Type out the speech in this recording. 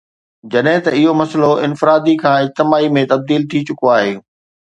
جڏهن ته اهو مسئلو انفرادي کان اجتماعي ۾ تبديل ٿي چڪو آهي